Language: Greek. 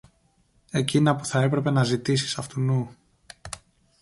εκείνα που θα έπρεπε να ζητήσεις αυτουνού